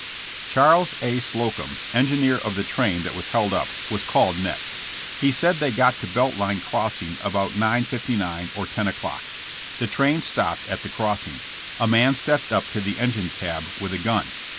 Charles A. Slocum, engineer of the train that was held up, was called next. He said they got to Belt Line crossing about 9:59 or 10 o'clock. The train stopped at the crossing. A man stepped up to the engine cab with a gun.